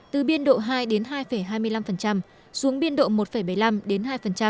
từ biên độ hai đến hai hai mươi năm xuống biên độ một bảy mươi năm đến hai